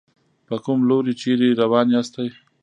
په کوم لوري چېرې روان ياستئ.